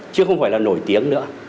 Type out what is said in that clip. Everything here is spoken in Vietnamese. chứ không phải là nổi tiếng nữa